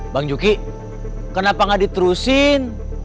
bang juki kenapa gak diterusin